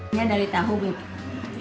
ini adalah tahu wali